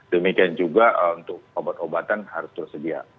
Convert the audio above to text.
demikian juga untuk obat obatan harus tersedia